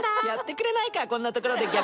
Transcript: やってくれないかこんな所で。